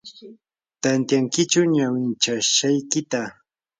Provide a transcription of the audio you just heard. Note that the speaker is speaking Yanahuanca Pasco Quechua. ¿tantyankiyku ñawinchashqaykita?